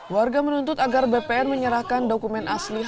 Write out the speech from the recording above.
warga menuntut agar bpn menyerahkan dokumen asli